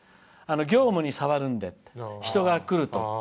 業務に障るんで人が来ると。